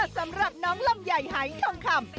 สำหรับน้องลำใหญ่ไฮท่องคำ